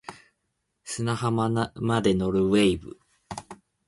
砂浜まで乗る wave